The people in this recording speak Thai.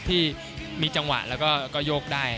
ที่มีจังหวะแล้วก็โยกได้